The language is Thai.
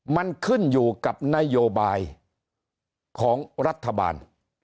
มันขึ้นอยู่กับนโยบายของรัฐบาล